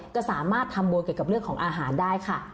จะสามารถทำบุญเกี่ยวกับเรื่องของอาหารได้ค่ะ